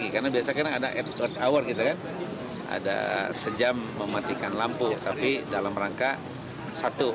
karena biasanya ada at out hour ada sejam mematikan lampu tapi dalam rangka satu